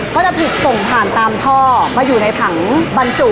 ก็จะถูกส่งผ่านตามท่อมาอยู่ในถังบรรจุ